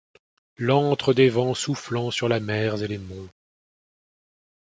L'antre des vents soufflant sur les mers et les monts ;